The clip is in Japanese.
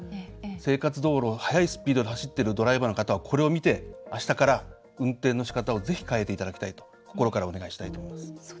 生活道路を速いスピードで走っているドライバーの方は、これを見てあしたから、運転のしかたをぜひ変えてほしいと心からお願いしたいと思います。